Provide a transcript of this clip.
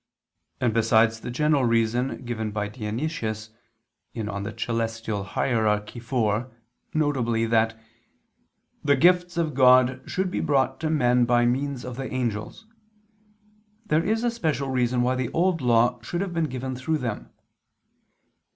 And besides the general reason given by Dionysius (Coel. Hier. iv), viz. that "the gifts of God should be brought to men by means of the angels," there is a special reason why the Old Law should have been given through them.